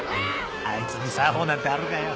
あいつに作法なんてあるかよ。